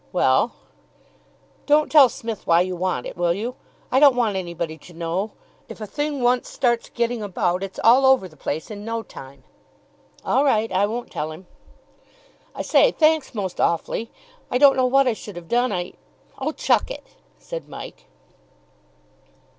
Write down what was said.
"Well?" "Don't tell Smith why you want it, will you? I don't want anybody to know if a thing once starts getting about it's all over the place in no time." "All right, I won't tell him." "I say, thanks most awfully! I don't know what I should have done, I " "Oh, chuck it!" said Mike.